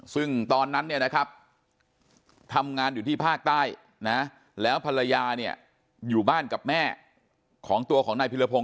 ซึ่งตอนนั้นเนี่ยนะครับทำงานอยู่ที่ภาคใต้นะแล้วภรรยาเนี่ยอยู่บ้านกับแม่ของตัวของนายพิรพงศ